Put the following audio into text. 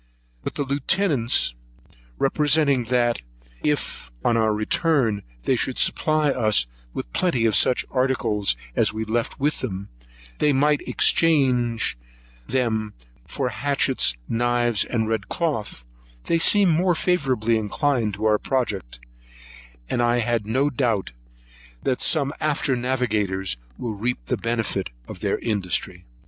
But on the Lieutenant's representing, that if, on our return, they could supply us with plenty of such articles as we left with them, they in exchange would receive hatchets, knives, and red cloth, they seemed more favourably inclined to our project; and I have no doubt but that some after navigators will reap the benefit of their industry.